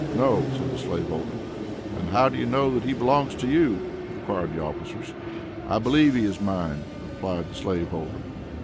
"No," said the slave holder. "Then how do you know that he belongs to you?" inquired the officers. "I believe he is mine," replied the slave holder.